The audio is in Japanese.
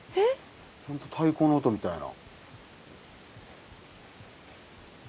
太鼓の音みたいな。